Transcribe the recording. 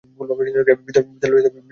বিদ্যালয়ের চারটি ভবন আছে।